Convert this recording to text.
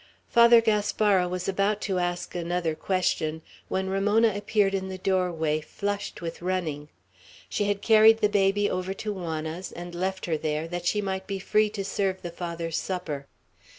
Father Gaspara was about to ask another question, when Ramona appeared in the doorway, flushed with running. She had carried the baby over to Juana's and left her there, that she might be free to serve the Father's supper.